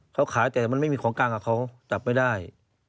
เขาขายแต่มันไม่มีของกลางกับเขาจับไม่ได้